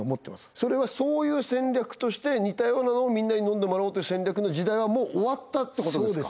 それはそういう戦略として似たようなのをみんなに飲んでもらおうという戦略の時代はもう終わったってことですか？